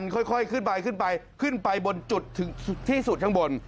ค่อยขึ้นไปขึ้นไปบนจุดที่สุดข้างบน